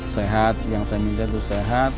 sehat yang saya minta itu sehat